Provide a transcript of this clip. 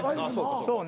そうね。